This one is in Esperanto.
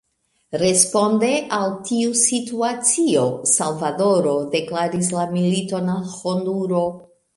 Responde al tiu situacio, Salvadoro deklaris la militon al Honduro.